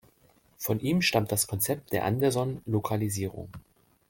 Von ihm stammt das Konzept der Anderson-Lokalisierung.